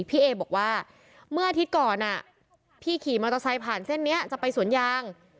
พี่เอบอกว่าเมื่ออาทิตย์ก่อนพี่ขี่มอเตอร์ไซค์ผ่านเส้นนี้จะไปสวนยาง